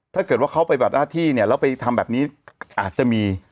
ถ้าเกิดว่าเขาไปบัดหน้าที่เนี่ยแล้วไปทำแบบนี้อาจจะมี